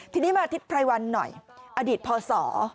ทีนี้มาทิศไพรวันหน่อยอดีตพศ